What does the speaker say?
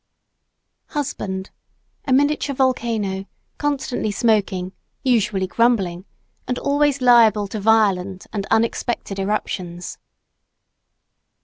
Husband: A miniature volcano, constantly smoking, usually grumbling, and always liable to violent and unexpected eruptions.